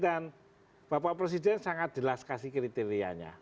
dan bapak presiden sangat jelas kasih kriterianya